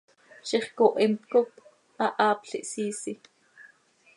¡Ziix cooha imt cop hahaapl ihsiisi!